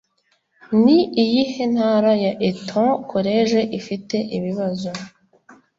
Ni iyihe ntara ya Eton College ifite ibibazo?